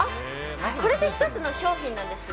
これで１つの商品なんですね。